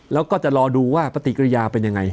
แล้วก็จะรอดูว่าปฏิกิริยาเป็นยังไง